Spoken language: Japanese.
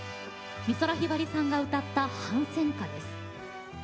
美空ひばりさんが歌った反戦歌です。